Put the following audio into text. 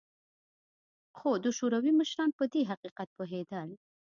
خو د شوروي مشران په دې حقیقت پوهېدل